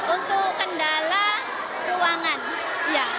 untuk kendala ruangan ya